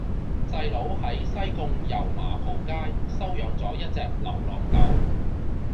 細佬喺西貢油麻莆街收養左一隻流浪狗